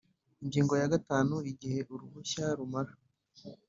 Ingingo ya gatanu Igihe uruhushya rumara